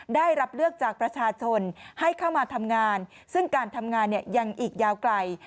ได้รับเลือกจากประชาชนให้เข้ามาทำงานซึ่งการทำงานเนี่ยยังอีกยาวไกล